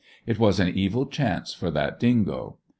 It was an evil chance for that dingo.